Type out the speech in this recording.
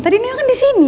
tadi nino kan di sini